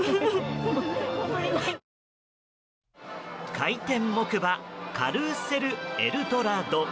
回転木馬カルーセルエルドラド。